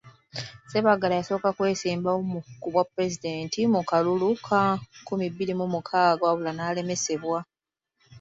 Ssebaggala yasooka kwesimbawo ku bwa Pulezidenti mu kalulu ka nkumi bbiri mu mukaaga wabula n'alemesebwa.